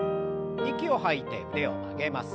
息を吐いて腕を曲げます。